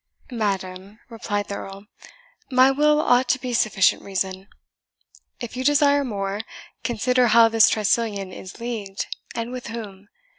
"Madam," replied the Earl, "my will ought to be a sufficient reason. If you desire more, consider how this Tressilian is leagued, and with whom.